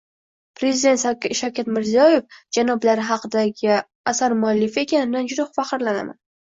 Prezident Shavkat Mirziyoev janoblari haqidagi asar muallifi ekanimdan juda faxrlanaman